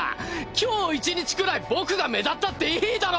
今日一日くらい僕が目立ったっていいだろ！